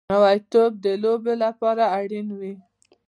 نوی توپ د لوبو لپاره اړین وي